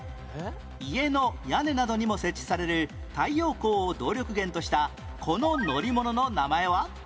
家の屋根などにも設置される太陽光を動力源としたこの乗り物の名前は？